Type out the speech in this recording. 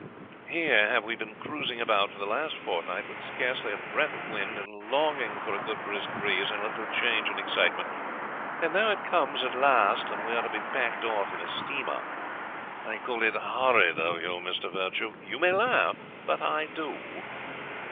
Here have we been cruising about for the last fortnight, with scarcely a breath of wind, and longing for a good brisk breeze and a little change and excitement, and now it comes at last, we are to be packed off in a steamer. I call it horrid of you, Mr. Virtue. You may laugh, but I do."